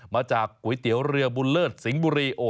มาจากก๋วยเตี๋ยวเรื้อบุญเลิศสิงบุรีโอ้โห